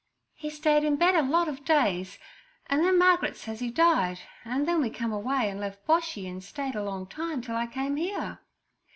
'He stayed in bed a lot of days, an' then Margret says 'e died, an' then we come away an' left Boshy, an' stayed a long time till I came here.'